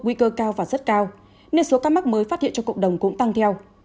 nguy cơ cao và rất cao nên số ca mắc mới phát hiện trong cộng đồng cũng tăng theo